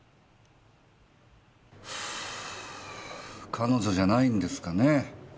彼女じゃないんですかね。